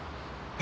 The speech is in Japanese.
え。